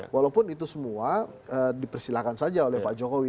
walaupun itu semua dipersilakan saja oleh pak jokowi